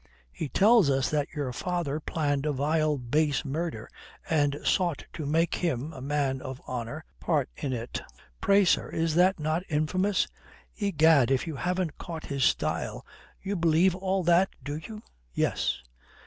"He tells us that your father planned a vile base murder and sought to make him, a man of honour, part in it. Pray, sir, is that not infamous?" "Egad, if you haven't caught his style! You believe all that, do you?" "Yes."